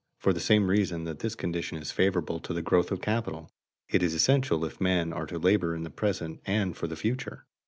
_ For the same reason that this condition is favorable to the growth of capital, it is essential if men are to labor in the present and for the future.